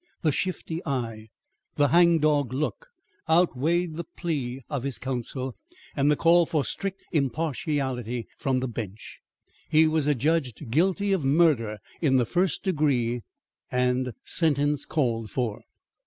The shifty eye, the hang dog look, outweighed the plea of his counsel and the call for strict impartiality from the bench. He was adjudged guilty of murder in the first degree, and sentence called for.